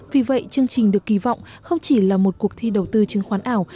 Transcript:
vì vậy chương trình được kỳ vọng không chỉ là một cuộc thi đầu tư chứng khoán ảo